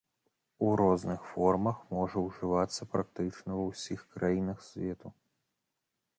У розных формах можа ўжывацца практычна ва ўсіх краінах свету.